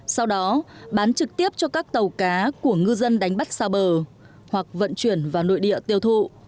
sau đó bán trực tiếp cho các tàu cá của ngư dân đánh bắt xa bờ hoặc vận chuyển vào nội địa tiêu thụ